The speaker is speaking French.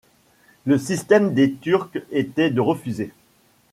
Le système des turcs était de refuser